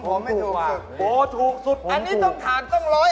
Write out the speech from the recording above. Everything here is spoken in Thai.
โอ้โธถูกสุดอันนี้ต้องถามต้องร้อย